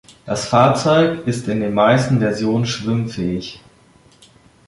Das Fahrzeug ist in den meisten Versionen schwimmfähig.